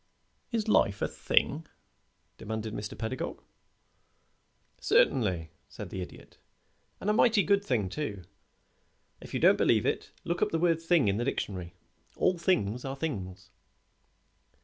"Is life a thing?" demanded Mr. Pedagog. "Certainly," said the Idiot. "And a mighty good thing, too. If you don't believe it look the word thing up in the dictionary. All things are things."